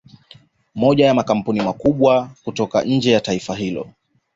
Yapo makampuni makubwa kutoka nje ya taifa hilo